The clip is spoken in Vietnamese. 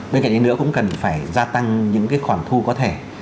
bên cạnh đến nữa cũng cần phải gia tăng những cái khoản thu có thể